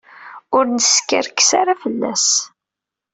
Ur neskerkes ara fell-as.